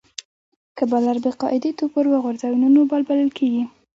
که بالر بې قاعدې توپ ور وغورځوي؛ نو نو بال ګڼل کیږي.